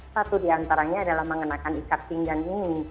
satu diantaranya adalah mengenakan ikat pinggan ini